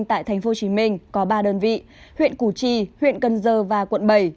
tại thành phố hồ chí minh có ba đơn vị huyện củ chi huyện cân dơ và quận bảy